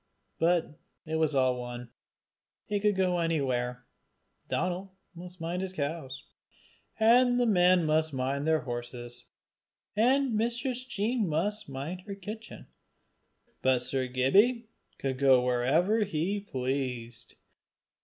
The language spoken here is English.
But it was all one; he could go anywhere. Donal must mind his cows, and the men must mind the horses, and Mistress Jean must mind her kitchen, but Sir Gibbie could go where he pleased.